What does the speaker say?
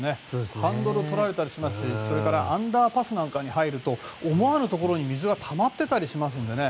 ハンドルをとられたりしますしアンダーパスに入ると思わぬところに水がたまっていたりしますので。